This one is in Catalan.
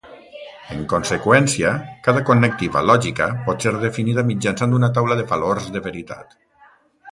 En conseqüència, cada connectiva lògica pot ser definida mitjançant una taula de valors de veritat.